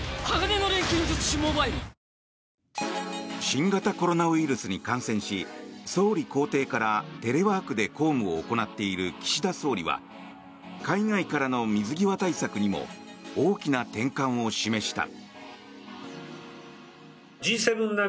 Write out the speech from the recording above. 新型コロナウイルスに感染し総理公邸からテレワークで公務を行っている岸田総理は海外からの水際対策にも大きな転換を示した。